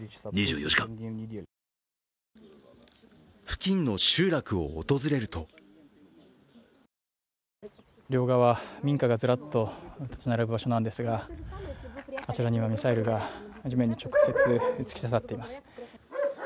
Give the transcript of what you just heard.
付近の集落を訪れると両側、民家がずらっと立ち並ぶ場所なんですがあちらにはミサイルが地面に直接突き刺さっています。